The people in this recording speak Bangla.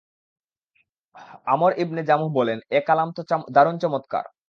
আমর ইবনে জামূহ বললেন, এ কালাম তো দারুণ চমৎকার!